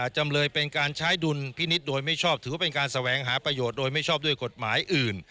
จำเลยเป็นการใช้ดุลพินิษฐ์โดยไม่ชอบถือว่าเป็นการแสวงหาประโยชน์โดยไม่ชอบด้วยกฎหมายอื่น